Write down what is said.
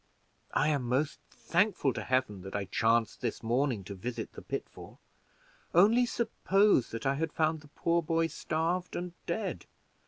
"I am most thankful to Heaven that I chanced this morning to visit the pitfall. Only suppose that I had found the poor boy starved and dead!